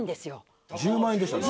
１０万円でしたね。